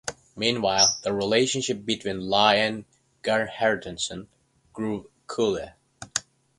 Meanwhile, the relationship between Lie and Gerhardsen grew cooler.